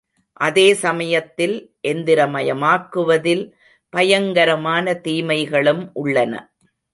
அதே சமயத்தில் எந்திரமயமாக்குவதில் பயங்கரமான தீமைகளும் உள்ளன.